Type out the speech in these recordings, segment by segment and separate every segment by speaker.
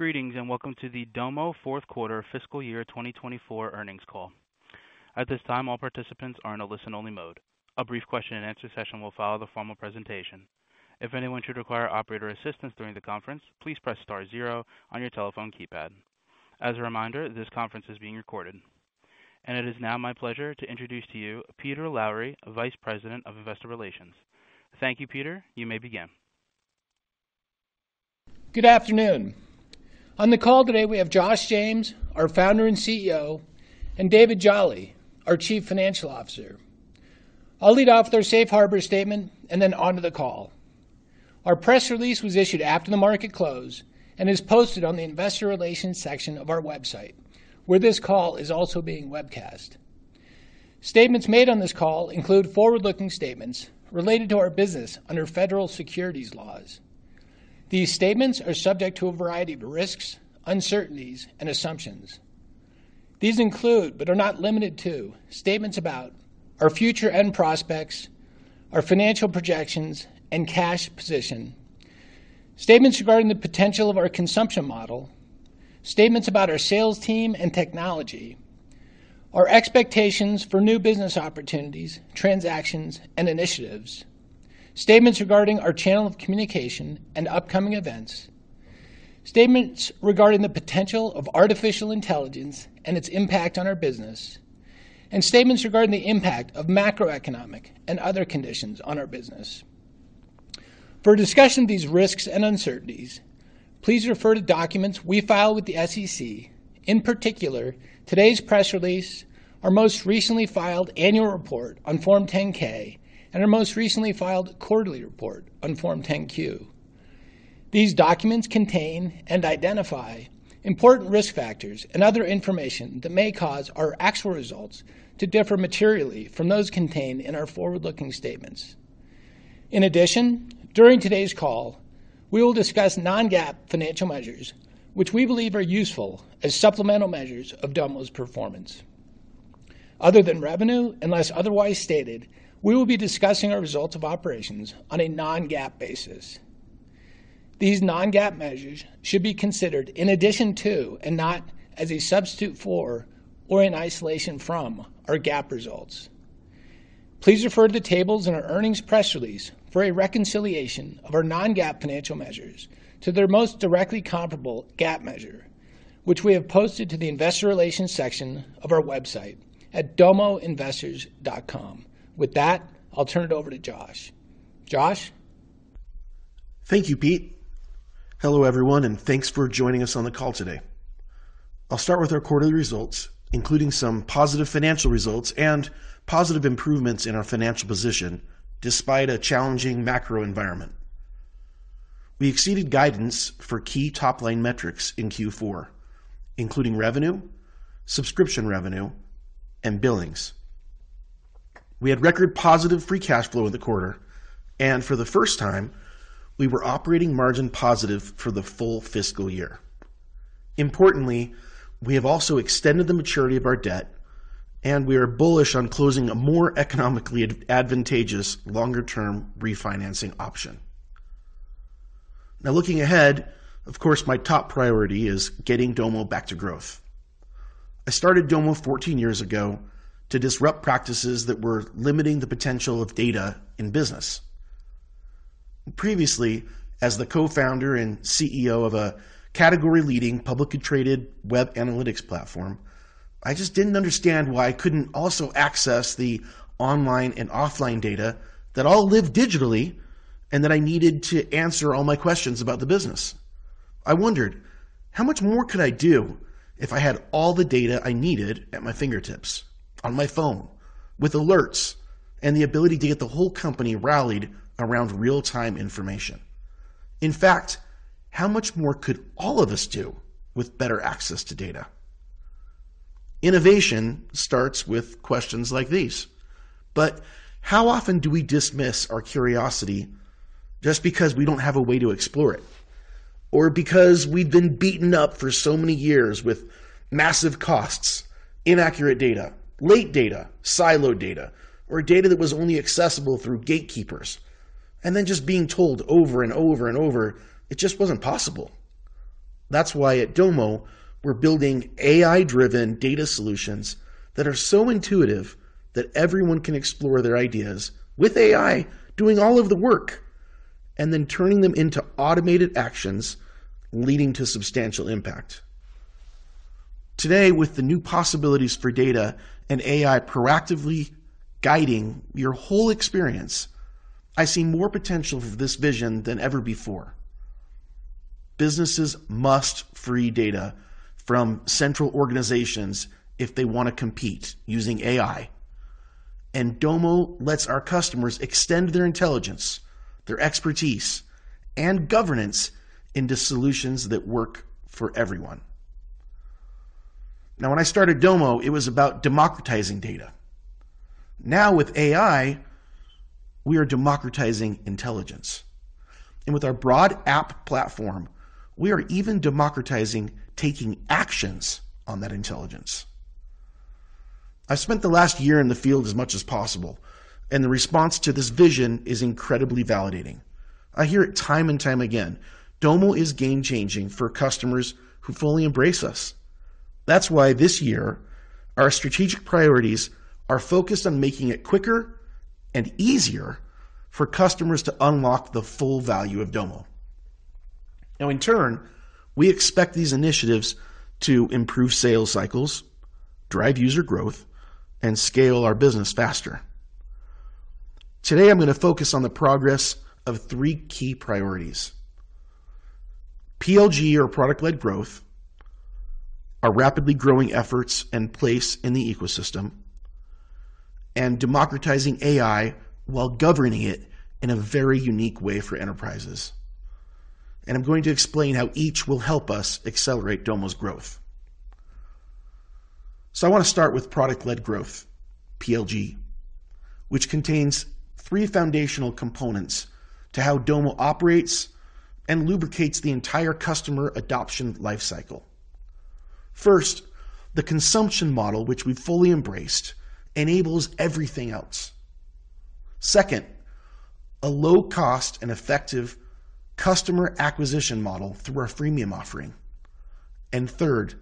Speaker 1: Greetings and welcome to the Domo fourth quarter fiscal year 2024 earnings call. At this time, all participants are in a listen-only mode. A brief question-and-answer session will follow the formal presentation. If anyone should require operator assistance during the conference, please press star zero on your telephone keypad. As a reminder, this conference is being recorded. It is now my pleasure to introduce to you Peter Lowry, Vice President of Investor Relations. Thank you, Peter. You may begin.
Speaker 2: Good afternoon. On the call today we have Josh James, our Founder and CEO, and David Jolley, our Chief Financial Officer. I'll lead off with our Safe Harbor statement and then onto the call. Our press release was issued after the market closed and is posted on the Investor Relations section of our website, where this call is also being webcast. Statements made on this call include forward-looking statements related to our business under federal securities laws. These statements are subject to a variety of risks, uncertainties, and assumptions. These include but are not limited to statements about our future end prospects, our financial projections, and cash position. Statements regarding the potential of our consumption model. Statements about our sales team and technology. Our expectations for new business opportunities, transactions, and initiatives. Statements regarding our channel of communication and upcoming events. Statements regarding the potential of artificial intelligence and its impact on our business. And statements regarding the impact of macroeconomic and other conditions on our business. For a discussion of these risks and uncertainties, please refer to documents we file with the SEC, in particular today's press release, our most recently filed annual report on Form 10-K, and our most recently filed quarterly report on Form 10-Q. These documents contain and identify important risk factors and other information that may cause our actual results to differ materially from those contained in our forward-looking statements. In addition, during today's call, we will discuss non-GAAP financial measures, which we believe are useful as supplemental measures of Domo's performance. Other than revenue, unless otherwise stated, we will be discussing our results of operations on a non-GAAP basis. These non-GAAP measures should be considered in addition to and not as a substitute for or in isolation from our GAAP results. Please refer to the tables in our earnings press release for a reconciliation of our non-GAAP financial measures to their most directly comparable GAAP measure, which we have posted to the Investor Relations section of our website at investors.domo.com. With that, I'll turn it over to Josh. Josh?
Speaker 3: Thank you, Pete. Hello everyone, and thanks for joining us on the call today. I'll start with our quarterly results, including some positive financial results and positive improvements in our financial position despite a challenging macro environment. We exceeded guidance for key top-line metrics in Q4, including revenue, subscription revenue, and billings. We had record positive free cash flow in the quarter, and for the first time, we were operating margin positive for the full fiscal year. Importantly, we have also extended the maturity of our debt, and we are bullish on closing a more economically advantageous longer-term refinancing option. Now, looking ahead, of course, my top priority is getting Domo back to growth. I started Domo 14 years ago to disrupt practices that were limiting the potential of data in business. Previously, as the co-founder and CEO of a category-leading publicly traded web analytics platform, I just didn't understand why I couldn't also access the online and offline data that all live digitally and that I needed to answer all my questions about the business. I wondered, how much more could I do if I had all the data I needed at my fingertips, on my phone, with alerts and the ability to get the whole company rallied around real-time information? In fact, how much more could all of us do with better access to data? Innovation starts with questions like these, but how often do we dismiss our curiosity just because we don't have a way to explore it, or because we'd been beaten up for so many years with massive costs, inaccurate data, late data, siloed data, or data that was only accessible through gatekeepers, and then just being told over and over and over it just wasn't possible? That's why at Domo we're building AI-driven data solutions that are so intuitive that everyone can explore their ideas with AI doing all of the work and then turning them into automated actions leading to substantial impact. Today, with the new possibilities for data and AI proactively guiding your whole experience, I see more potential for this vision than ever before. Businesses must free data from central organizations if they want to compete using AI, and Domo lets our customers extend their intelligence, their expertise, and governance into solutions that work for everyone. Now, when I started Domo, it was about democratizing data. Now, with AI, we are democratizing intelligence, and with our broad app platform, we are even democratizing taking actions on that intelligence. I've spent the last year in the field as much as possible, and the response to this vision is incredibly validating. I hear it time and time again: Domo is game-changing for customers who fully embrace us. That's why this year our strategic priorities are focused on making it quicker and easier for customers to unlock the full value of Domo. Now, in turn, we expect these initiatives to improve sales cycles, drive user growth, and scale our business faster. Today, I'm going to focus on the progress of three key priorities: PLG, or product-led growth, our rapidly growing efforts and place in the ecosystem, and democratizing AI while governing it in a very unique way for enterprises. I'm going to explain how each will help us accelerate Domo's growth. I want to start with product-led growth, PLG, which contains three foundational components to how Domo operates and lubricates the entire customer adoption lifecycle. First, the consumption model, which we've fully embraced, enables everything else. Second, a low-cost and effective customer acquisition model through our freemium offering. And third,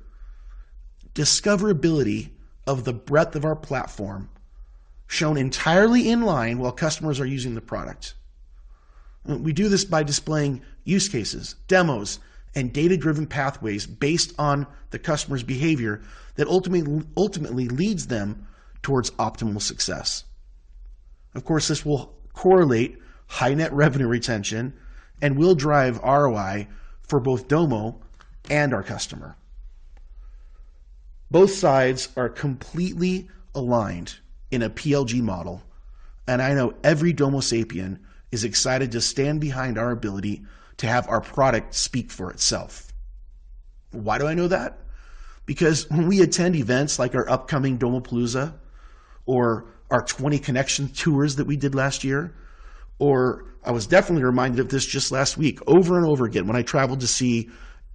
Speaker 3: discoverability of the breadth of our platform shown entirely in line while customers are using the product. We do this by displaying use cases, demos, and data-driven pathways based on the customer's behavior that ultimately leads them towards optimal success. Of course, this will correlate high-net revenue retention and will drive ROI for both Domo and our customer. Both sides are completely aligned in a PLG model, and I know every Domosapien is excited to stand behind our ability to have our product speak for itself. Why do I know that? Because when we attend events like our upcoming Domopalooza or our 20 Connections tours that we did last year, or I was definitely reminded of this just last week over and over again when I traveled to see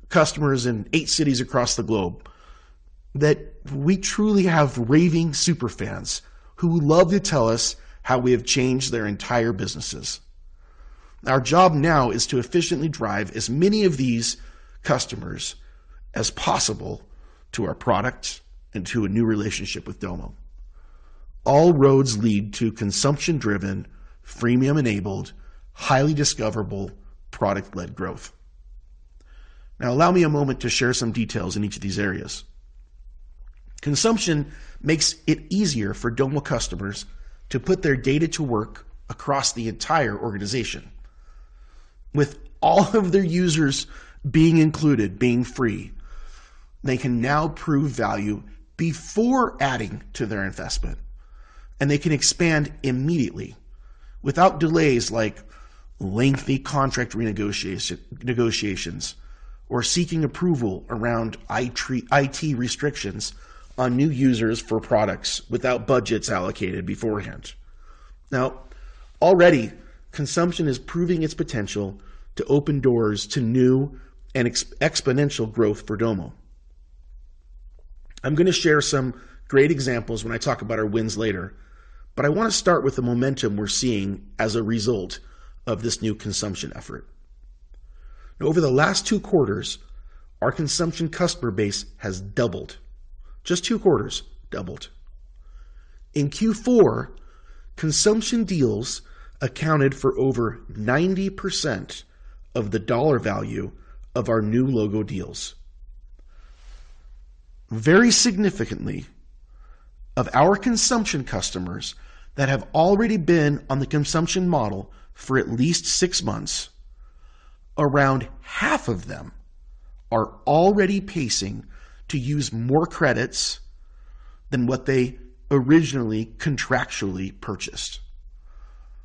Speaker 3: customers in eight cities across the globe, that we truly have raving superfans who love to tell us how we have changed their entire businesses. Our job now is to efficiently drive as many of these customers as possible to our product and to a new relationship with Domo. All roads lead to consumption-driven, freemium-enabled, highly discoverable product-led growth. Now, allow me a moment to share some details in each of these areas. Consumption makes it easier for Domo customers to put their data to work across the entire organization. With all of their users being included, being free, they can now prove value before adding to their investment, and they can expand immediately without delays like lengthy contract renegotiations or seeking approval around IT restrictions on new users for products without budgets allocated beforehand. Now, already, consumption is proving its potential to open doors to new and exponential growth for Domo. I'm going to share some great examples when I talk about our wins later, but I want to start with the momentum we're seeing as a result of this new consumption effort. Over the last two quarters, our consumption customer base has doubled. Just two quarters, doubled. In Q4, consumption deals accounted for over 90% of the dollar value of our new logo deals. Very significantly, of our consumption customers that have already been on the consumption model for at least six months, around half of them are already pacing to use more credits than what they originally contractually purchased.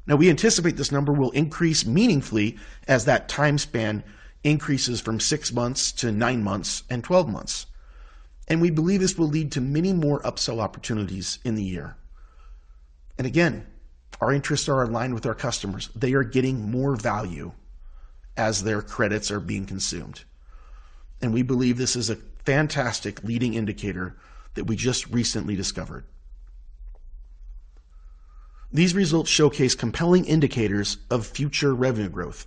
Speaker 3: Now, we anticipate this number will increase meaningfully as that time span increases from six months to nine months and 12 months, and we believe this will lead to many more upsell opportunities in the year. And again, our interests are aligned with our customers. They are getting more value as their credits are being consumed, and we believe this is a fantastic leading indicator that we just recently discovered. These results showcase compelling indicators of future revenue growth,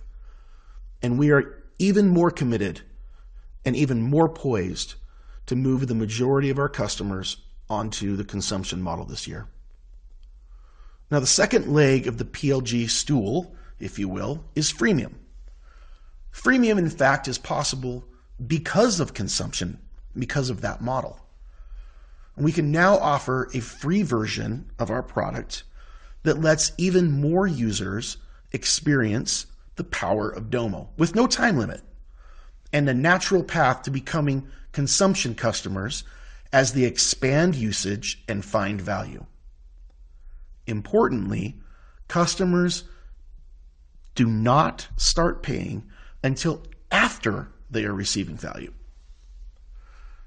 Speaker 3: and we are even more committed and even more poised to move the majority of our customers onto the consumption model this year. Now, the second leg of the PLG stool, if you will, is freemium. Freemium, in fact, is possible because of consumption, because of that model. We can now offer a free version of our product that lets even more users experience the power of Domo with no time limit and the natural path to becoming consumption customers as they expand usage and find value. Importantly, customers do not start paying until after they are receiving value.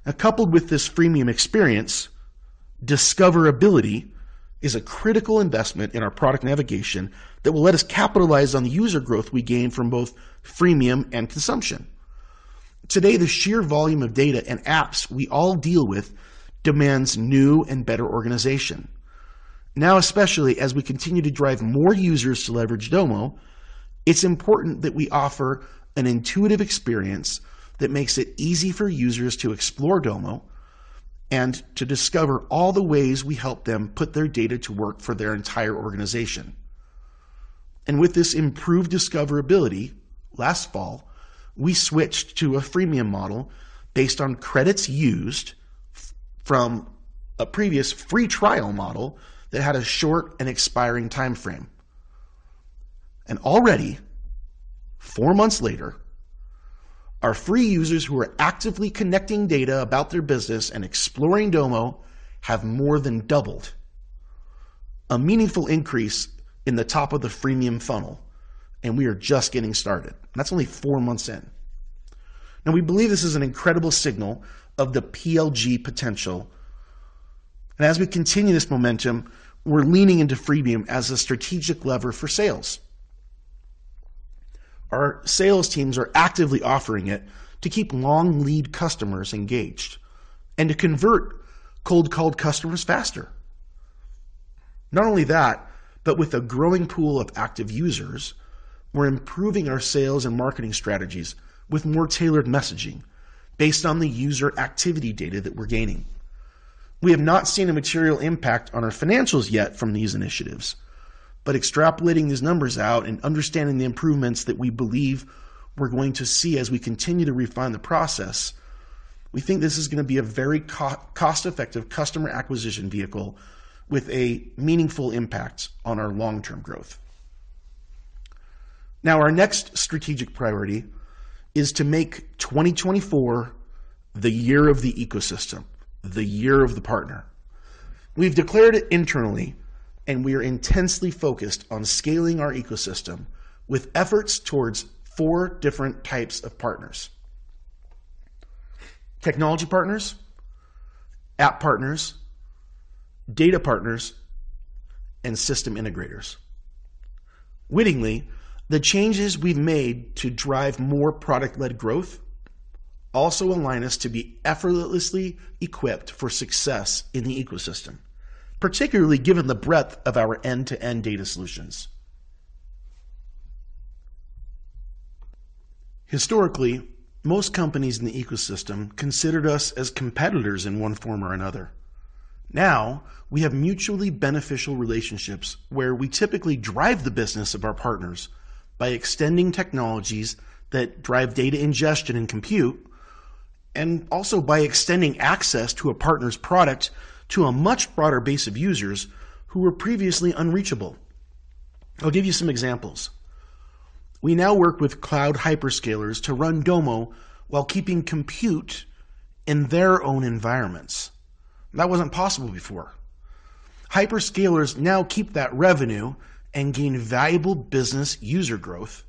Speaker 3: Now, coupled with this freemium experience, discoverability is a critical investment in our product navigation that will let us capitalize on the user growth we gain from both freemium and consumption. Today, the sheer volume of data and apps we all deal with demands new and better organization. Now, especially as we continue to drive more users to leverage Domo, it's important that we offer an intuitive experience that makes it easy for users to explore Domo and to discover all the ways we help them put their data to work for their entire organization. With this improved discoverability, last fall, we switched to a freemium model based on credits used from a previous free trial model that had a short and expiring time frame. Already, four months later, our free users who are actively connecting data about their business and exploring Domo have more than doubled, a meaningful increase in the top of the freemium funnel, and we are just getting started. That's only four months in. Now, we believe this is an incredible signal of the PLG potential, and as we continue this momentum, we're leaning into freemium as a strategic lever for sales. Our sales teams are actively offering it to keep long lead customers engaged and to convert cold, cold customers faster. Not only that, but with a growing pool of active users, we're improving our sales and marketing strategies with more tailored messaging based on the user activity data that we're gaining. We have not seen a material impact on our financials yet from these initiatives, but extrapolating these numbers out and understanding the improvements that we believe we're going to see as we continue to refine the process, we think this is going to be a very cost-effective customer acquisition vehicle with a meaningful impact on our long-term growth. Now, our next strategic priority is to make 2024 the year of the ecosystem, the year of the partner. We've declared it internally, and we are intensely focused on scaling our ecosystem with efforts towards four different types of partners: technology partners, app partners, data partners, and system integrators. Wittingly, the changes we've made to drive more product-led growth also align us to be effortlessly equipped for success in the ecosystem, particularly given the breadth of our end-to-end data solutions. Historically, most companies in the ecosystem considered us as competitors in one form or another. Now, we have mutually beneficial relationships where we typically drive the business of our partners by extending technologies that drive data ingestion and compute, and also by extending access to a partner's product to a much broader base of users who were previously unreachable. I'll give you some examples. We now work with cloud hyperscalers to run Domo while keeping compute in their own environments. That wasn't possible before. Hyperscalers now keep that revenue and gain valuable business user growth.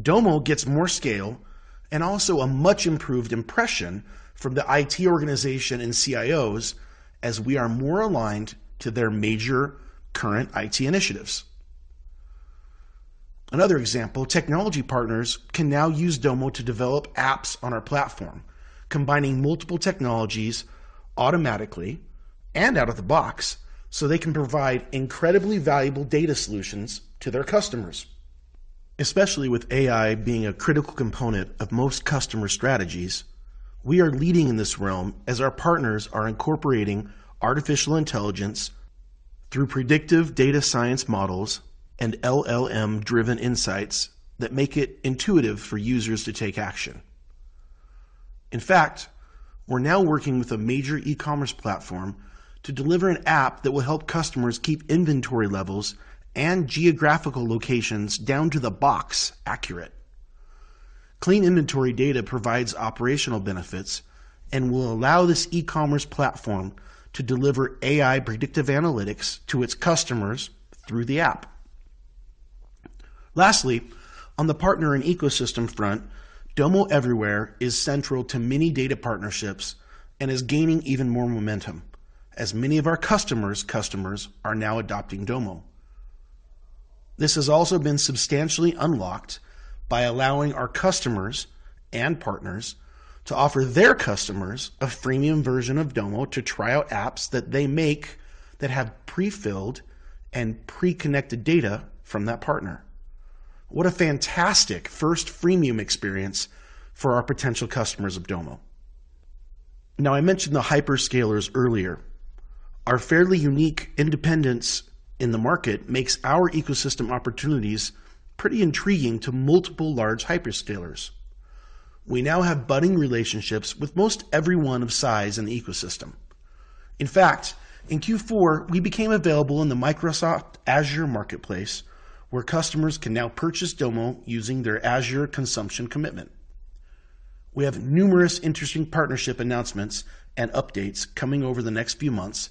Speaker 3: Domo gets more scale and also a much improved impression from the IT organization and CIOs as we are more aligned to their major current IT initiatives. Another example, technology partners can now use Domo to develop apps on our platform, combining multiple technologies automatically and out of the box so they can provide incredibly valuable data solutions to their customers. Especially with AI being a critical component of most customer strategies, we are leading in this realm as our partners are incorporating artificial intelligence through predictive data science models and LLM-driven insights that make it intuitive for users to take action. In fact, we're now working with a major e-commerce platform to deliver an app that will help customers keep inventory levels and geographical locations down to the box accurate. Clean inventory data provides operational benefits and will allow this e-commerce platform to deliver AI predictive analytics to its customers through the app. Lastly, on the partner and ecosystem front, Domo Everywhere is central to many data partnerships and is gaining even more momentum as many of our customers' customers are now adopting Domo. This has also been substantially unlocked by allowing our customers and partners to offer their customers a freemium version of Domo to try out apps that they make that have prefilled and preconnected data from that partner. What a fantastic first freemium experience for our potential customers of Domo. Now, I mentioned the hyperscalers earlier. Our fairly unique independence in the market makes our ecosystem opportunities pretty intriguing to multiple large hyperscalers. We now have budding relationships with most everyone of size in the ecosystem. In fact, in Q4, we became available in the Microsoft Azure Marketplace, where customers can now purchase Domo using their Azure consumption commitment. We have numerous interesting partnership announcements and updates coming over the next few months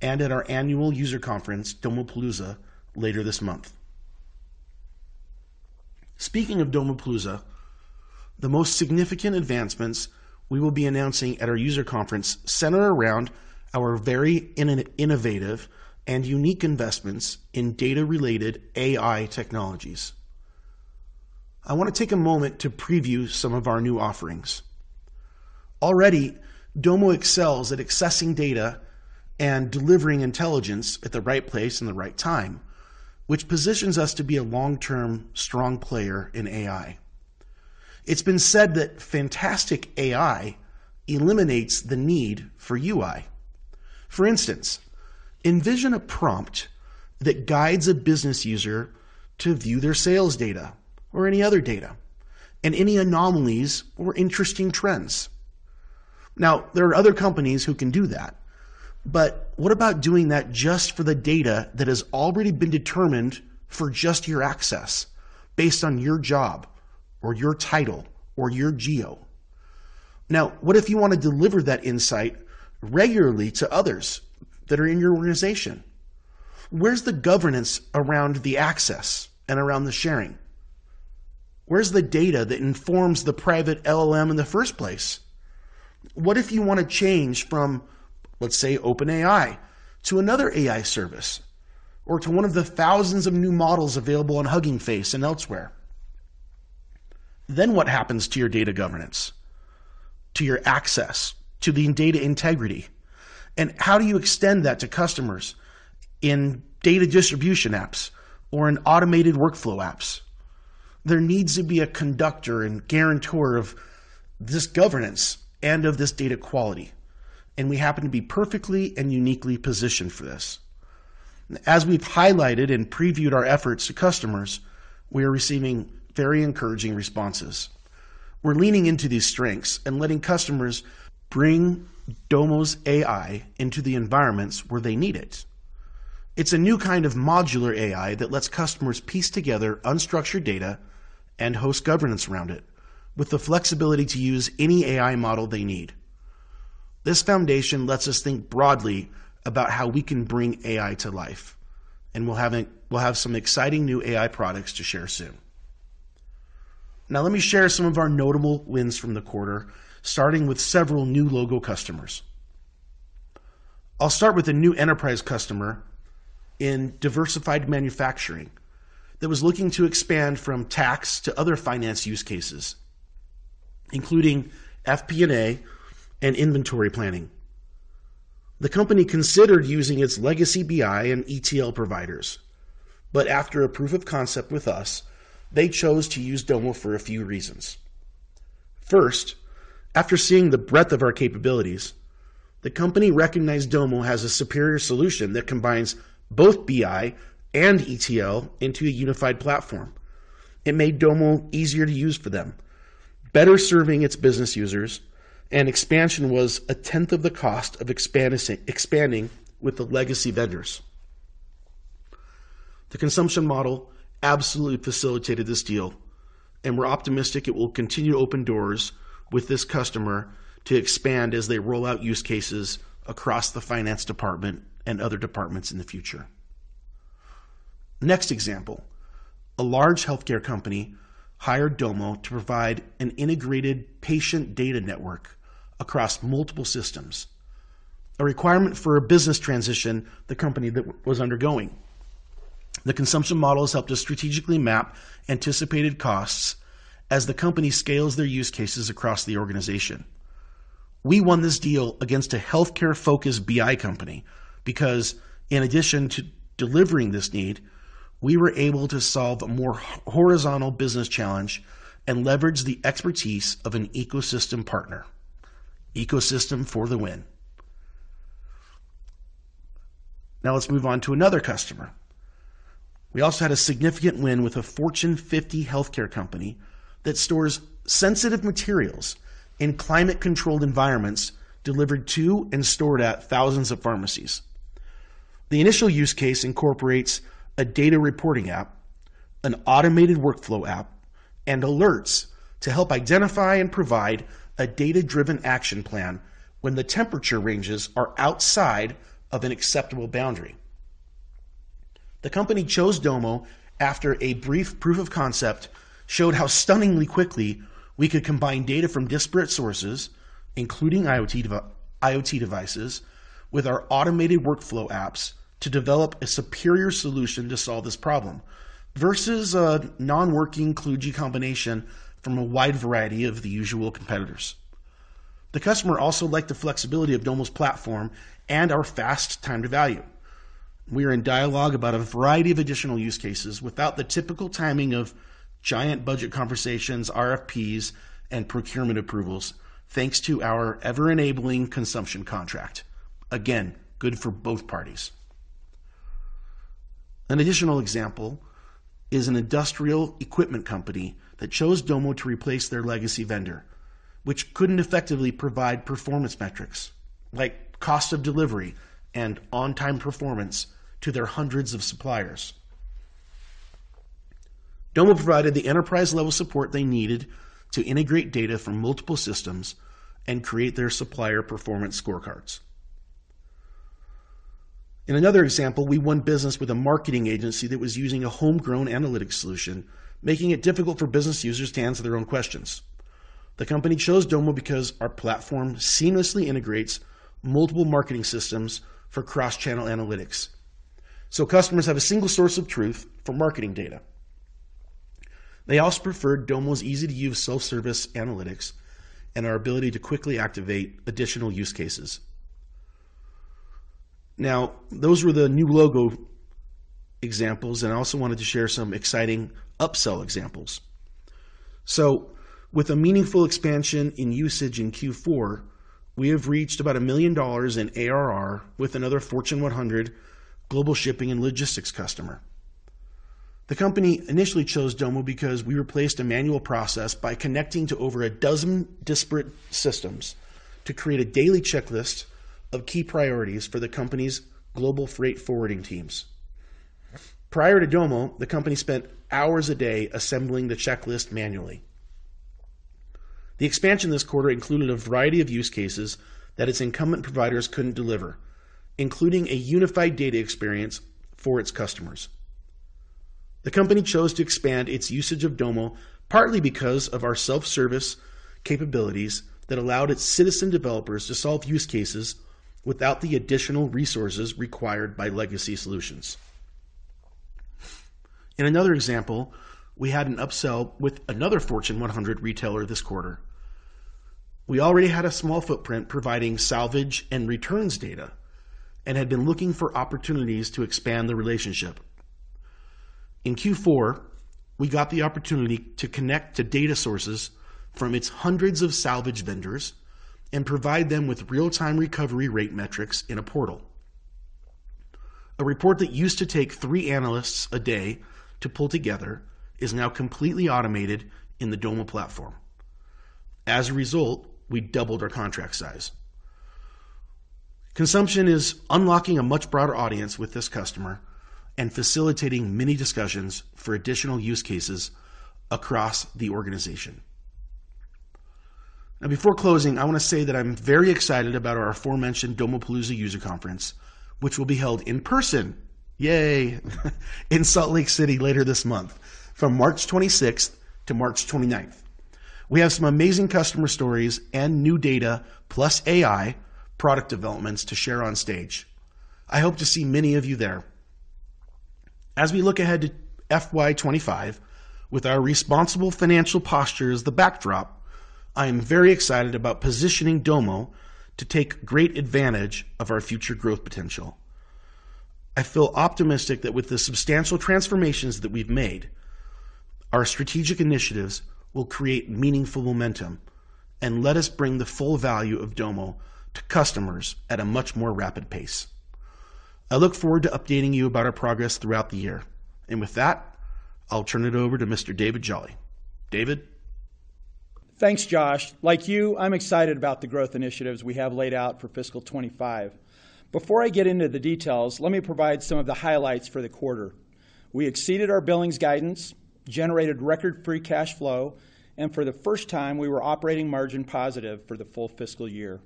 Speaker 3: and at our annual user conference, Domopalooza, later this month. Speaking of Domopalooza, the most significant advancements we will be announcing at our user conference center around our very innovative and unique investments in data-related AI technologies. I want to take a moment to preview some of our new offerings. Already, Domo excels at accessing data and delivering intelligence at the right place and the right time, which positions us to be a long-term strong player in AI. It's been said that fantastic AI eliminates the need for UI. For instance, envision a prompt that guides a business user to view their sales data or any other data and any anomalies or interesting trends. Now, there are other companies who can do that, but what about doing that just for the data that has already been determined for just your access based on your job or your title or your geo? Now, what if you want to deliver that insight regularly to others that are in your organization? Where's the governance around the access and around the sharing? Where's the data that informs the private LLM in the first place? What if you want to change from, let's say, OpenAI to another AI service or to one of the thousands of new models available on Hugging Face and elsewhere? Then what happens to your data governance, to your access, to the data integrity? And how do you extend that to customers in data distribution apps or in automated workflow apps? There needs to be a conductor and guarantor of this governance and of this data quality, and we happen to be perfectly and uniquely positioned for this. As we've highlighted and previewed our efforts to customers, we are receiving very encouraging responses. We're leaning into these strengths and letting customers bring Domo's AI into the environments where they need it. It's a new kind of modular AI that lets customers piece together unstructured data and host governance around it with the flexibility to use any AI model they need. This foundation lets us think broadly about how we can bring AI to life, and we'll have some exciting new AI products to share soon. Now, let me share some of our notable wins from the quarter, starting with several new logo customers. I'll start with a new enterprise customer in diversified manufacturing that was looking to expand from tax to other finance use cases, including FP&A and inventory planning. The company considered using its legacy BI and ETL providers, but after a proof of concept with us, they chose to use Domo for a few reasons. First, after seeing the breadth of our capabilities, the company recognized Domo has a superior solution that combines both BI and ETL into a unified platform. It made Domo easier to use for them, better serving its business users, and expansion was a tenth of the cost of expanding with the legacy vendors. The consumption model absolutely facilitated this deal, and we're optimistic it will continue to open doors with this customer to expand as they roll out use cases across the finance department and other departments in the future. Next example, a large healthcare company hired Domo to provide an integrated patient data network across multiple systems, a requirement for a business transition the company was undergoing. The consumption model has helped us strategically map anticipated costs as the company scales their use cases across the organization. We won this deal against a healthcare-focused BI company because, in addition to delivering this need, we were able to solve a more horizontal business challenge and leverage the expertise of an ecosystem partner, ecosystem for the win. Now, let's move on to another customer. We also had a significant win with a Fortune 50 healthcare company that stores sensitive materials in climate-controlled environments delivered to and stored at thousands of pharmacies. The initial use case incorporates a data reporting app, an automated workflow app, and alerts to help identify and provide a data-driven action plan when the temperature ranges are outside of an acceptable boundary. The company chose Domo after a brief proof of concept showed how stunningly quickly we could combine data from disparate sources, including IoT devices, with our automated workflow apps to develop a superior solution to solve this problem versus a non-working kludgy combination from a wide variety of the usual competitors. The customer also liked the flexibility of Domo's platform and our fast time to value. We are in dialogue about a variety of additional use cases without the typical timing of giant budget conversations, RFPs, and procurement approvals, thanks to our ever-enabling consumption contract. Again, good for both parties. An additional example is an industrial equipment company that chose Domo to replace their legacy vendor, which couldn't effectively provide performance metrics like cost of delivery and on-time performance to their hundreds of suppliers. Domo provided the enterprise-level support they needed to integrate data from multiple systems and create their supplier performance scorecards. In another example, we won business with a marketing agency that was using a homegrown analytics solution, making it difficult for business users to answer their own questions. The company chose Domo because our platform seamlessly integrates multiple marketing systems for cross-channel analytics, so customers have a single source of truth for marketing data. They also preferred Domo's easy-to-use self-service analytics and our ability to quickly activate additional use cases. Now, those were the new logo examples, and I also wanted to share some exciting upsell examples. So with a meaningful expansion in usage in Q4, we have reached about $1 million in ARR with another Fortune 100 global shipping and logistics customer. The company initially chose Domo because we replaced a manual process by connecting to over a dozen disparate systems to create a daily checklist of key priorities for the company's global freight forwarding teams. Prior to Domo, the company spent hours a day assembling the checklist manually. The expansion this quarter included a variety of use cases that its incumbent providers couldn't deliver, including a unified data experience for its customers. The company chose to expand its usage of Domo partly because of our self-service capabilities that allowed its citizen developers to solve use cases without the additional resources required by legacy solutions. In another example, we had an upsell with another Fortune 100 retailer this quarter. We already had a small footprint providing salvage and returns data and had been looking for opportunities to expand the relationship. In Q4, we got the opportunity to connect to data sources from its hundreds of salvage vendors and provide them with real-time recovery rate metrics in a portal. A report that used to take three analysts a day to pull together is now completely automated in the Domo platform. As a result, we doubled our contract size. Consumption is unlocking a much broader audience with this customer and facilitating many discussions for additional use cases across the organization. Now, before closing, I want to say that I'm very excited about our aforementioned Domopalooza user conference, which will be held in person, yay!, in Salt Lake City later this month from March 26th to March 29th. We have some amazing customer stories and new data plus AI product developments to share on stage. I hope to see many of you there. As we look ahead to FY25 with our responsible financial posture as the backdrop, I am very excited about positioning Domo to take great advantage of our future growth potential. I feel optimistic that with the substantial transformations that we've made, our strategic initiatives will create meaningful momentum and let us bring the full value of Domo to customers at a much more rapid pace. I look forward to updating you about our progress throughout the year. And with that, I'll turn it over to Mr. David Jolley. David.
Speaker 4: Thanks, Josh. Like you, I'm excited about the growth initiatives we have laid out for fiscal 2025. Before I get into the details, let me provide some of the highlights for the quarter. We exceeded our billings guidance, generated record free cash flow, and for the first time, we were operating margin positive for the full fiscal year.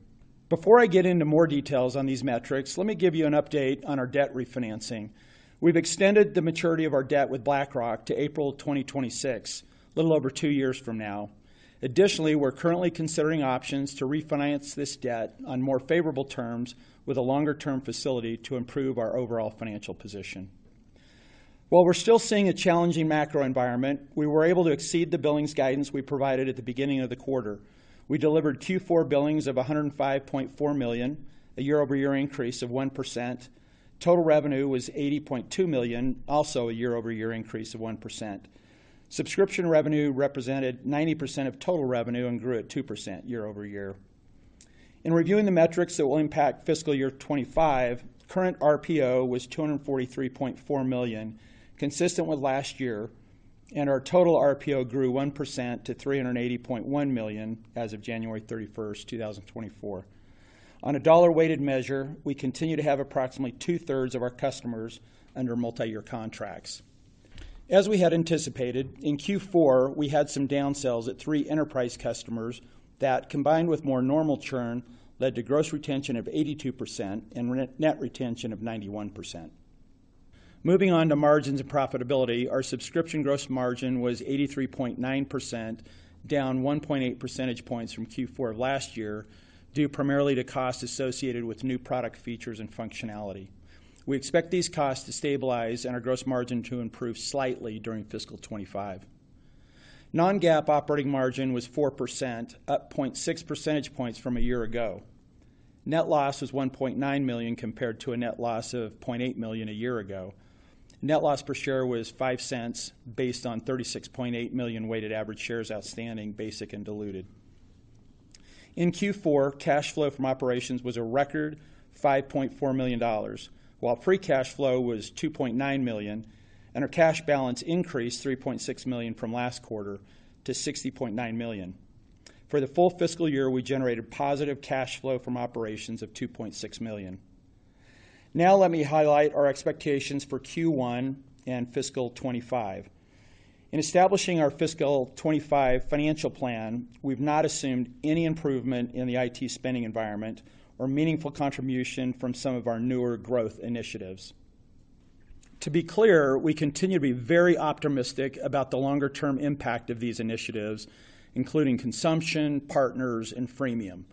Speaker 4: Before I get into more details on these metrics, let me give you an update on our debt refinancing. We've extended the maturity of our debt with BlackRock to April 2026, a little over two years from now. Additionally, we're currently considering options to refinance this debt on more favorable terms with a longer-term facility to improve our overall financial position. While we're still seeing a challenging macro environment, we were able to exceed the billings guidance we provided at the beginning of the quarter. We delivered Q4 billings of $105.4 million, a year-over-year increase of 1%. Total revenue was $80.2 million, also a year-over-year increase of 1%. Subscription revenue represented 90% of total revenue and grew at 2% year-over-year. In reviewing the metrics that will impact fiscal year 2025, current RPO was $243.4 million, consistent with last year, and our total RPO grew 1% to $380.1 million as of January 31st, 2024. On a dollar-weighted measure, we continue to have approximately 2/3 of our customers under multi-year contracts. As we had anticipated, in Q4, we had some downsells at three enterprise customers that, combined with more normal churn, led to gross retention of 82% and net retention of 91%. Moving on to margins and profitability, our subscription gross margin was 83.9%, down 1.8 percentage points from Q4 of last year, due primarily to costs associated with new product features and functionality. We expect these costs to stabilize and our gross margin to improve slightly during fiscal 2025. Non-GAAP operating margin was 4%, up 0.6 percentage points from a year ago. Net loss was $1.9 million compared to a net loss of $0.8 million a year ago. Net loss per share was $0.05 based on 36.8 million weighted average shares outstanding, basic, and diluted. In Q4, cash flow from operations was a record $5.4 million, while free cash flow was $2.9 million, and our cash balance increased $3.6 million from last quarter to $60.9 million. For the full fiscal year, we generated positive cash flow from operations of $2.6 million. Now, let me highlight our expectations for Q1 and fiscal 2025. In establishing our fiscal 2025 financial plan, we've not assumed any improvement in the IT spending environment or meaningful contribution from some of our newer growth initiatives. To be clear, we continue to be very optimistic about the longer-term impact of these initiatives, including consumption, partners, and freemium.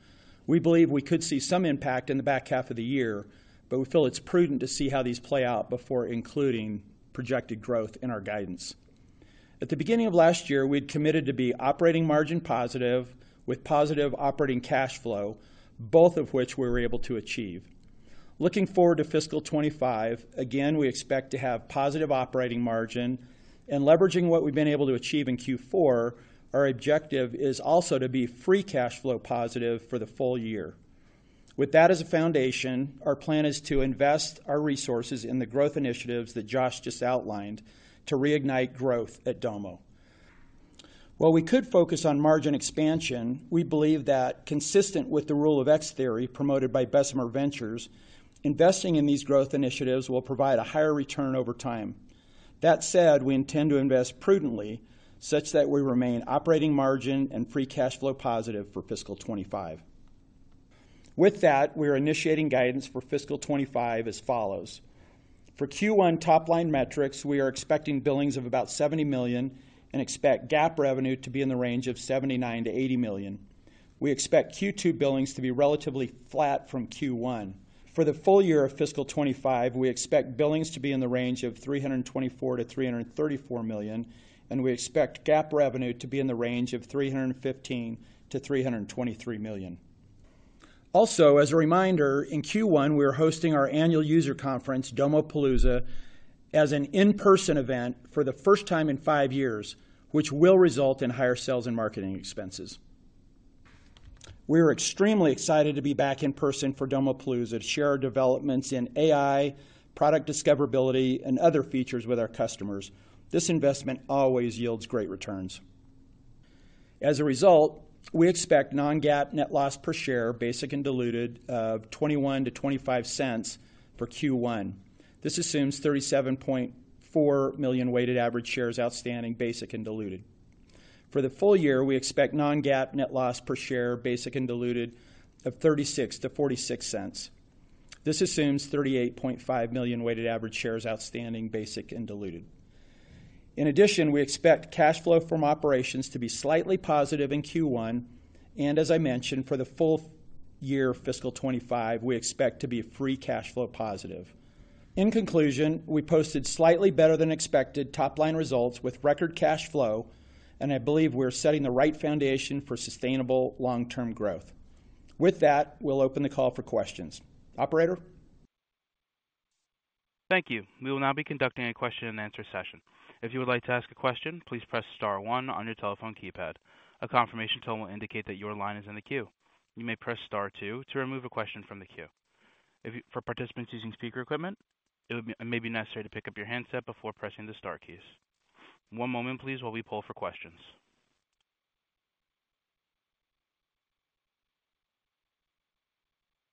Speaker 4: We believe we could see some impact in the back half of the year, but we feel it's prudent to see how these play out before including projected growth in our guidance. At the beginning of last year, we had committed to be operating margin positive with positive operating cash flow, both of which we were able to achieve. Looking forward to fiscal 2025, again, we expect to have positive operating margin, and leveraging what we've been able to achieve in Q4, our objective is also to be free cash flow positive for the full year. With that as a foundation, our plan is to invest our resources in the growth initiatives that Josh just outlined to reignite growth at Domo. While we could focus on margin expansion, we believe that, consistent with the Rule of X theory promoted by Bessemer Ventures, investing in these growth initiatives will provide a higher return over time. That said, we intend to invest prudently such that we remain operating margin and free cash flow positive for fiscal 2025. With that, we are initiating guidance for fiscal 2025 as follows. For Q1 top-line metrics, we are expecting billings of about $70 million and expect GAAP revenue to be in the range of $79 million-$80 million. We expect Q2 billings to be relatively flat from Q1. For the full year of fiscal 2025, we expect billings to be in the range of $324 million-$334 million, and we expect GAAP revenue to be in the range of $315 million-$323 million. Also, as a reminder, in Q1, we are hosting our annual user conference, Domopalooza, as an in-person event for the first time in five years, which will result in higher sales and marketing expenses. We are extremely excited to be back in person for Domopalooza to share our developments in AI, product discoverability, and other features with our customers. This investment always yields great returns. As a result, we expect non-GAAP net loss per share, basic and diluted, of $0.21-$0.25 for Q1. This assumes 37.4 million weighted average shares outstanding, basic and diluted. For the full year, we expect non-GAAP net loss per share, basic and diluted, of $0.36-$0.46. This assumes 38.5 million weighted average shares outstanding, basic and diluted. In addition, we expect cash flow from operations to be slightly positive in Q1, and as I mentioned, for the full year fiscal 2025, we expect to be free cash flow positive. In conclusion, we posted slightly better than expected top-line results with record cash flow, and I believe we're setting the right foundation for sustainable long-term growth. With that, we'll open the call for questions. Operator.
Speaker 1: Thank you. We will now be conducting a question-and-answer session. If you would like to ask a question, please press star one on your telephone keypad. A confirmation tone will indicate that your line is in the queue. You may press star two to remove a question from the queue. For participants using speaker equipment, it may be necessary to pick up your handset before pressing the star keys. One moment, please, while we pull for questions.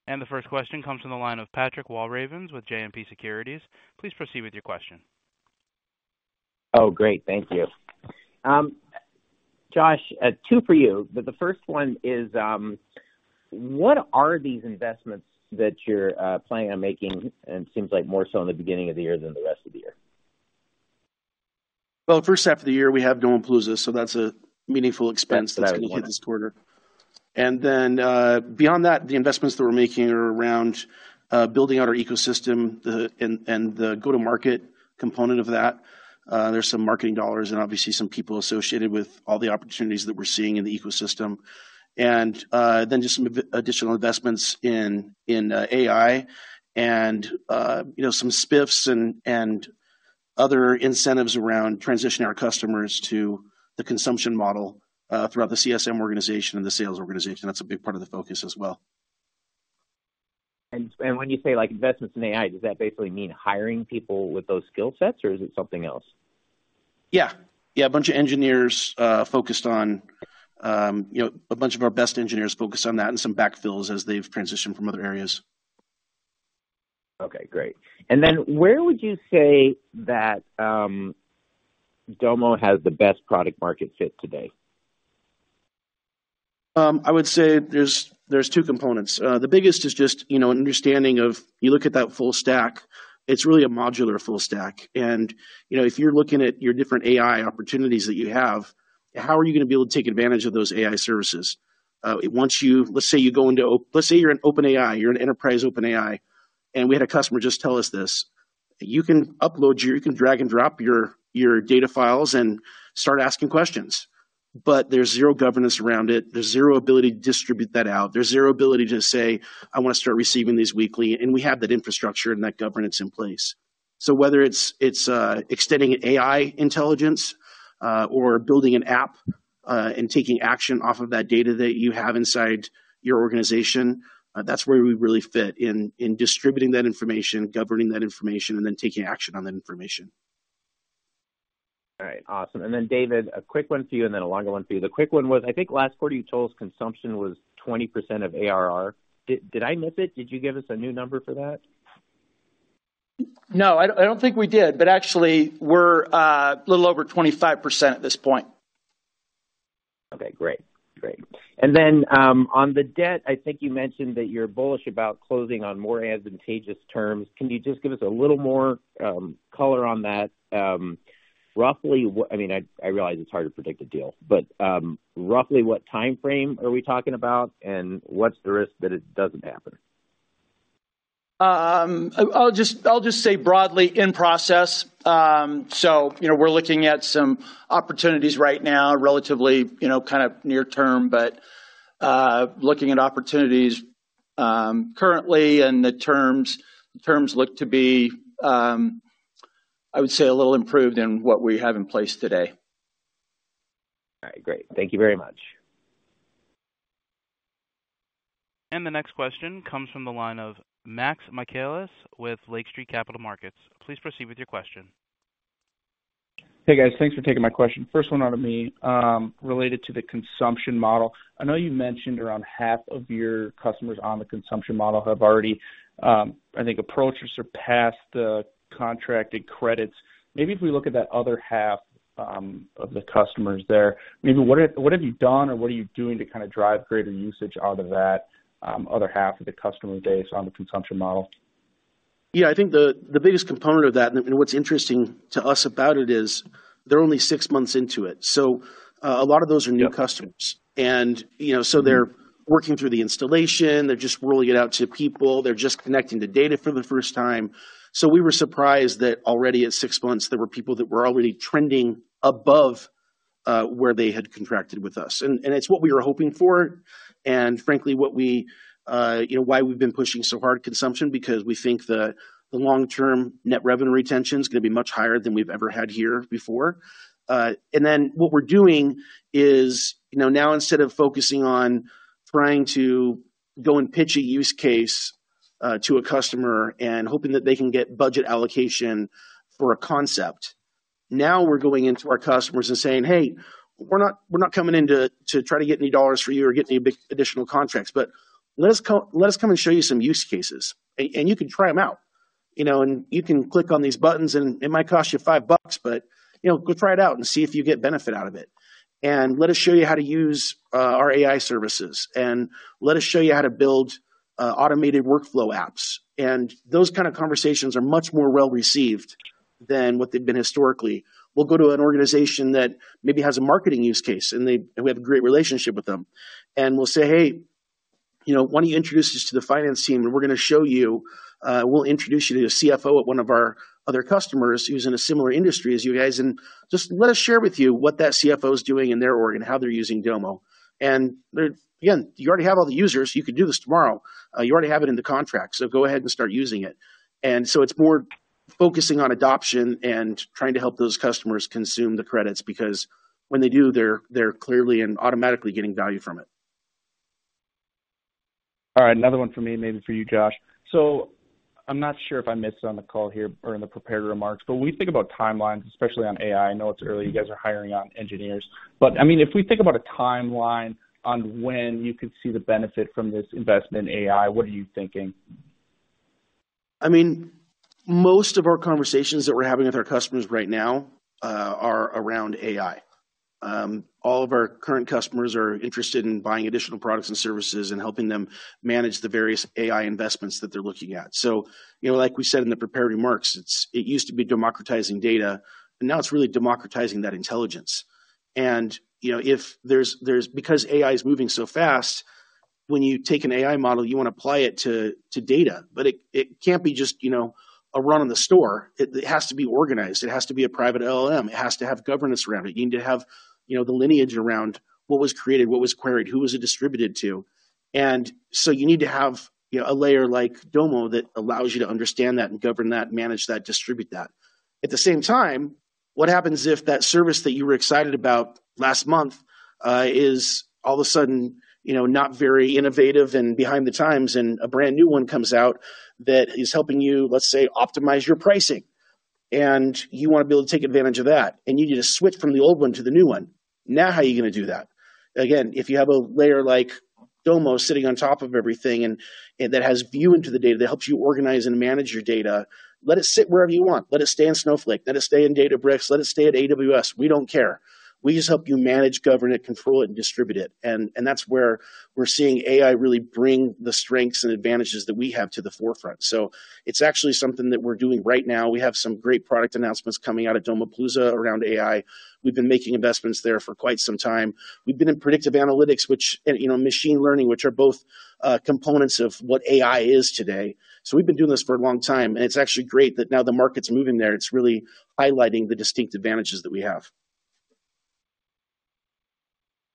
Speaker 1: The first question comes from the line of Patrick Walravens with JMP Securities. Please proceed with your question.
Speaker 5: Oh, great. Thank you. Josh, two for you. The first one is, what are these investments that you're planning on making, and it seems like more so in the beginning of the year than the rest of the year?
Speaker 3: Well, first half of the year, we have Domopalooza, so that's a meaningful expense that's going to hit this quarter. And then beyond that, the investments that we're making are around building out our ecosystem and the go-to-market component of that. There's some marketing dollars and obviously some people associated with all the opportunities that we're seeing in the ecosystem. And then just some additional investments in AI and some SPIFs and other incentives around transitioning our customers to the consumption model throughout the CSM organization and the sales organization. That's a big part of the focus as well.
Speaker 5: When you say investments in AI, does that basically mean hiring people with those skill sets, or is it something else?
Speaker 3: Yeah. Yeah, a bunch of engineers focused on a bunch of our best engineers focused on that and some backfills as they've transitioned from other areas.
Speaker 5: Okay. Great. And then where would you say that Domo has the best product-market fit today?
Speaker 3: I would say there's two components. The biggest is just an understanding of you look at that full stack. It's really a modular full stack. And if you're looking at your different AI opportunities that you have, how are you going to be able to take advantage of those AI services? Let's say you go into, let's say you're in OpenAI. You're an enterprise OpenAI. And we had a customer just tell us this. You can upload your, you can drag and drop your data files and start asking questions. But there's zero governance around it. There's zero ability to distribute that out. There's zero ability to say: I want to start receiving these weekly. And we have that infrastructure and that governance in place. Whether it's extending AI intelligence or building an app and taking action off of that data that you have inside your organization, that's where we really fit in distributing that information, governing that information, and then taking action on that information.
Speaker 5: All right. Awesome. And then, David, a quick one for you and then a longer one for you. The quick one was, I think last quarter you told us consumption was 20% of ARR. Did I miss it? Did you give us a new number for that?
Speaker 4: No, I don't think we did. But actually, we're a little over 25% at this point.
Speaker 5: Okay. Great. Great. And then on the debt, I think you mentioned that you're bullish about closing on more advantageous terms. Can you just give us a little more color on that? I mean, I realize it's hard to predict a deal, but roughly what time frame are we talking about, and what's the risk that it doesn't happen?
Speaker 4: I'll just say broadly, in process. So we're looking at some opportunities right now, relatively kind of near term, but looking at opportunities currently and the terms look to be, I would say, a little improved than what we have in place today.
Speaker 5: All right. Great. Thank you very much.
Speaker 1: The next question comes from the line of Max Michaelis with Lake Street Capital Markets. Please proceed with your question.
Speaker 6: Hey, guys. Thanks for taking my question. First one out of me related to the consumption model. I know you mentioned around half of your customers on the consumption model have already, I think, approached or surpassed the contracted credits. Maybe if we look at that other half of the customers there, maybe what have you done or what are you doing to kind of drive greater usage out of that other half of the customer base on the consumption model?
Speaker 3: Yeah. I think the biggest component of that, and what's interesting to us about it, is they're only six months into it. So a lot of those are new customers. And so they're working through the installation. They're just rolling it out to people. They're just connecting to data for the first time. So we were surprised that already at six months, there were people that were already trending above where they had contracted with us. And it's what we were hoping for and, frankly, why we've been pushing so hard consumption because we think the long-term net revenue retention is going to be much higher than we've ever had here before. And then what we're doing is now, instead of focusing on trying to go and pitch a use case to a customer and hoping that they can get budget allocation for a concept, now we're going into our customers and saying: Hey, we're not coming in to try to get any dollars for you or get any additional contracts. But let us come and show you some use cases. And you can try them out. And you can click on these buttons, and it might cost you $5, but go try it out and see if you get benefit out of it. And let us show you how to use our AI services. And let us show you how to build automated workflow apps. And those kind of conversations are much more well-received than what they've been historically. We'll go to an organization that maybe has a marketing use case, and we have a great relationship with them. And we'll say: Hey, why don't you introduce us to the finance team? And we're going to show you we'll introduce you to a CFO at one of our other customers who's in a similar industry as you guys. And just let us share with you what that CFO is doing in their org and how they're using Domo. Again, you already have all the users. You could do this tomorrow. You already have it in the contract. Go ahead and start using it. It's more focusing on adoption and trying to help those customers consume the credits because when they do, they're clearly and automatically getting value from it.
Speaker 6: All right. Another one for me, maybe for you, Josh. So I'm not sure if I missed on the call here or in the prepared remarks, but when we think about timelines, especially on AI, I know it's early. You guys are hiring on engineers. But I mean, if we think about a timeline on when you could see the benefit from this investment in AI, what are you thinking?
Speaker 3: I mean, most of our conversations that we're having with our customers right now are around AI. All of our current customers are interested in buying additional products and services and helping them manage the various AI investments that they're looking at. So like we said in the prepared remarks, it used to be democratizing data. And now it's really democratizing that intelligence. And because AI is moving so fast, when you take an AI model, you want to apply it to data. But it can't be just off-the-shelf. It has to be organized. It has to be a private LLM. It has to have governance around it. You need to have the lineage around what was created, what was queried, who it was distributed to. And so you need to have a layer like Domo that allows you to understand that and govern that, manage that, distribute that. At the same time, what happens if that service that you were excited about last month is all of a sudden not very innovative and behind the times, and a brand new one comes out that is helping you, let's say, optimize your pricing? You want to be able to take advantage of that. You need to switch from the old one to the new one. Now, how are you going to do that? Again, if you have a layer like Domo sitting on top of everything and that has view into the data, that helps you organize and manage your data, let it sit wherever you want. Let it stay in Snowflake. Let it stay in Databricks. Let it stay at AWS. We don't care. We just help you manage, govern it, control it, and distribute it. And that's where we're seeing AI really bring the strengths and advantages that we have to the forefront. So it's actually something that we're doing right now. We have some great product announcements coming out at Domopalooza around AI. We've been making investments there for quite some time. We've been in predictive analytics, machine learning, which are both components of what AI is today. So we've been doing this for a long time. And it's actually great that now the market's moving there. It's really highlighting the distinct advantages that we have.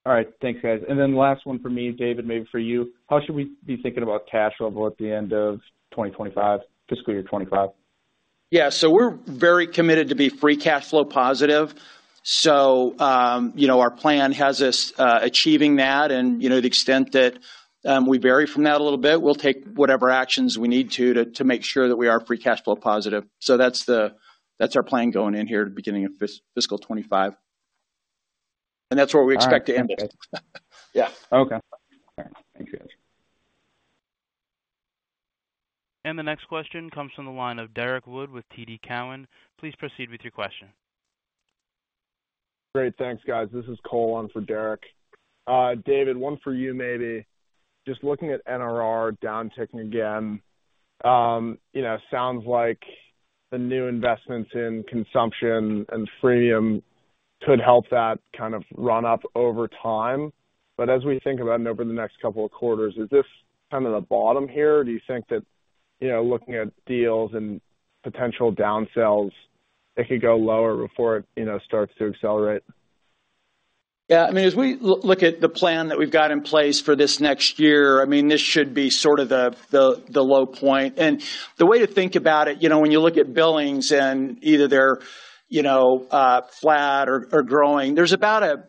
Speaker 6: All right. Thanks, guys. And then last one for me, David, maybe for you. How should we be thinking about cash level at the end of fiscal year 2025?
Speaker 4: Yeah. So we're very committed to be free cash flow positive. So our plan has us achieving that. And to the extent that we vary from that a little bit, we'll take whatever actions we need to to make sure that we are free cash flow positive. So that's our plan going in here at the beginning of fiscal 2025. And that's where we expect to end this. Yeah.
Speaker 6: Okay. All right. Thanks, guys.
Speaker 1: The next question comes from the line of Derrick Wood with TD Cowen. Please proceed with your question.
Speaker 7: Great. Thanks, guys. This is Cole on for Derrick. David, one for you, maybe. Just looking at NRR downticking again, it sounds like the new investments in consumption and freemium could help that kind of run up over time. But as we think about it and over the next couple of quarters, is this kind of the bottom here? Do you think that looking at deals and potential downsells, it could go lower before it starts to accelerate?
Speaker 4: Yeah. I mean, as we look at the plan that we've got in place for this next year, I mean, this should be sort of the low point. And the way to think about it, when you look at billings and either they're flat or growing, there's about a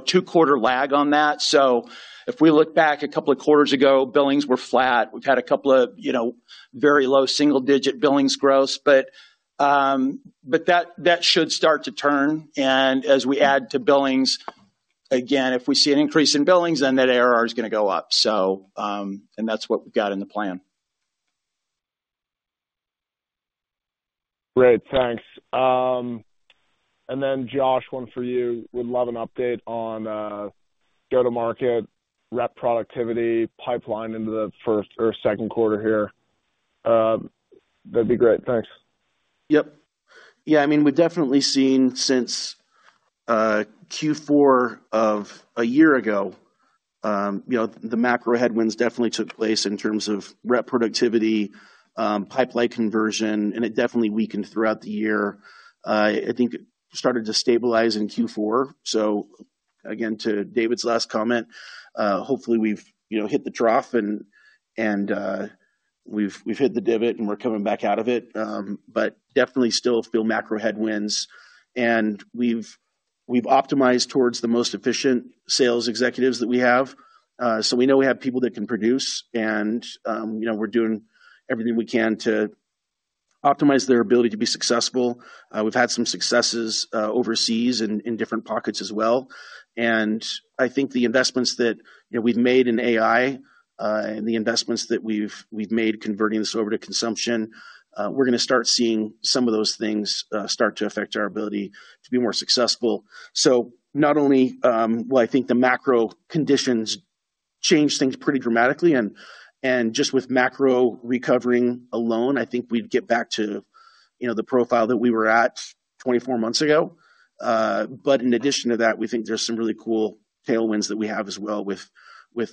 Speaker 4: two-quarter lag on that. So if we look back a couple of quarters ago, billings were flat. We've had a couple of very low single-digit billings growth. But that should start to turn. And as we add to billings, again, if we see an increase in billings, then that ARR is going to go up. And that's what we've got in the plan.
Speaker 7: Great. Thanks. And then, Josh, one for you. We'd love an update on go-to-market, rep productivity, pipeline into the first or second quarter here. That'd be great. Thanks.
Speaker 3: Yep. Yeah. I mean, we've definitely seen since Q4 of a year ago, the macro headwinds definitely took place in terms of rep productivity, pipeline conversion, and it definitely weakened throughout the year. I think it started to stabilize in Q4. So again, to David's last comment, hopefully, we've hit the trough and we've hit the divot, and we're coming back out of it. But definitely still feel macro headwinds. And we've optimized towards the most efficient sales executives that we have. So we know we have people that can produce. And we're doing everything we can to optimize their ability to be successful. We've had some successes overseas in different pockets as well. I think the investments that we've made in AI and the investments that we've made converting this over to consumption, we're going to start seeing some of those things start to affect our ability to be more successful. So not only will I think the macro conditions change things pretty dramatically. Just with macro recovering alone, I think we'd get back to the profile that we were at 24 months ago. But in addition to that, we think there's some really cool tailwinds that we have as well with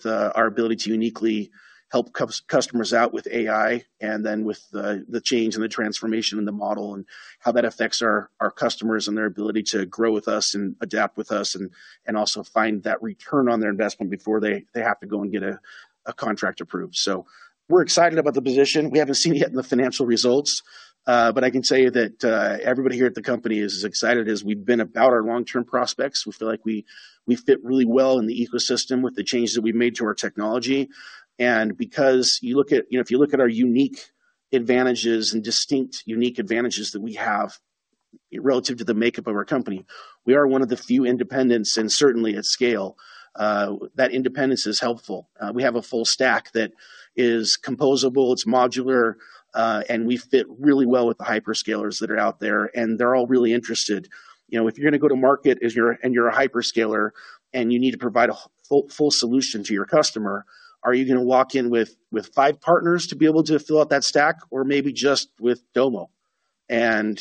Speaker 3: our ability to uniquely help customers out with AI and then with the change and the transformation in the model and how that affects our customers and their ability to grow with us and adapt with us and also find that return on their investment before they have to go and get a contract approved. So we're excited about the position. We haven't seen it yet in the financial results. But I can say that everybody here at the company is as excited as we've been about our long-term prospects. We feel like we fit really well in the ecosystem with the changes that we've made to our technology. And because you look at our unique advantages and distinct unique advantages that we have relative to the makeup of our company, we are one of the few independents and certainly at scale. That independence is helpful. We have a full stack that is composable. It's modular. And we fit really well with the hyperscalers that are out there. And they're all really interested. If you're going to go to market and you're a hyperscaler and you need to provide a full solution to your customer, are you going to walk in with five partners to be able to fill out that stack or maybe just with Domo? And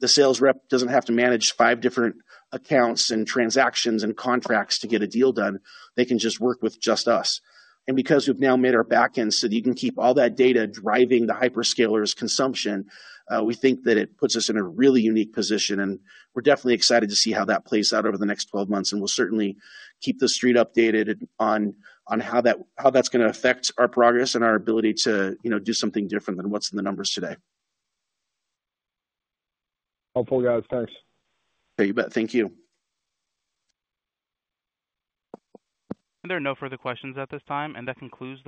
Speaker 3: the sales rep doesn't have to manage five different accounts and transactions and contracts to get a deal done. They can just work with just us. And because we've now made our backend so that you can keep all that data driving the hyperscalers' consumption, we think that it puts us in a really unique position. And we're definitely excited to see how that plays out over the next 12 months. And we'll certainly keep the Street updated on how that's going to affect our progress and our ability to do something different than what's in the numbers today.
Speaker 7: Hopeful, guys. Thanks.
Speaker 3: You bet. Thank you.
Speaker 1: There are no further questions at this time. That concludes.